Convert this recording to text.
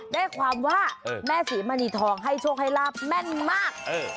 ได้ความว่าแม่ศรีมณีทองให้โชคให้ลาบแม่นมาก